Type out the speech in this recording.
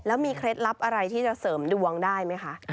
แล้วมีเคล็ดลับอะไรที่จะเสริมดวงได้ไหมคะ